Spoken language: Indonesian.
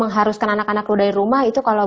mengharuskan anak anak lu dari rumah itu kalau